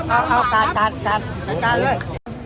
เอาการเอาการเลย